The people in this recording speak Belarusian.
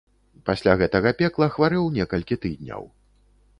Пасля гэтага пекла хварэў некалькі тыдняў.